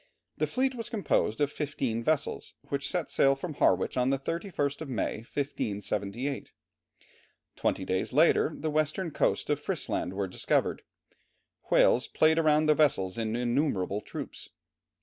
The fleet was composed of fifteen vessels, which set sail from Harwich on the 31st of May, 1578. Twenty days later the western coasts of Frisland were discovered. Whales played round the vessels in innumerable troops.